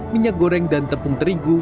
minyak goreng dan tepung terigu